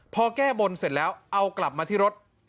พอแก้บนเสร็จแล้วเอากลับมาที่รถ